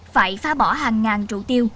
phải phá bỏ hàng ngàn trụ tiêu